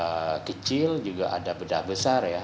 ada bedah kecil ada bedah besar ya